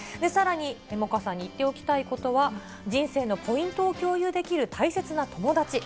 さらに、萌歌さんに言っておきたいことは、人生のポイントを共有できる大切な友達。